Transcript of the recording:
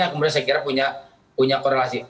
yang kemudian saya kira punya korelasi